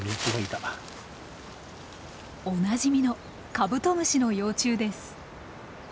おなじみのカブトムシの幼虫です。